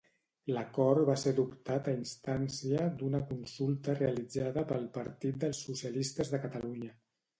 L'acord va ser adoptat a instància d'una consulta realitzada pel Partit dels Socialistes de Catalunya.